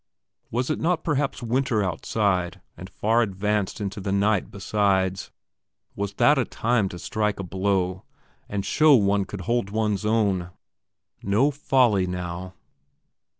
Was it not perhaps winter outside, and far advanced into the night, besides? Was that a time to strike a blow, and show one could hold one's own? No folly now!...